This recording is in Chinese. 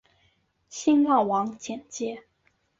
新浪网简介